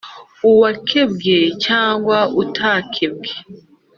uwakebwe cyangwa utakebwe